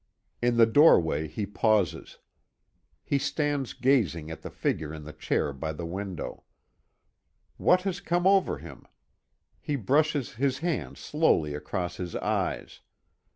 In the doorway he pauses. He stands gazing at the figure in the chair by the window. What has come over him? He brushes his hand slowly across his eyes.